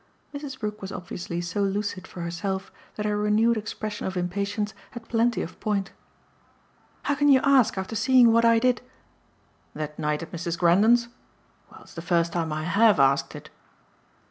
Mrs. Brook was obviously so lucid for herself that her renewed expression of impatience had plenty of point. "How can you ask after seeing what I did " "That night at Mrs. Grendon's? Well, it's the first time I HAVE asked it."